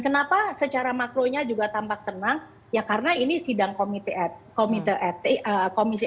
kenapa secara makronya juga tampak tenang ya karena ini sidang komite et komite etik komisi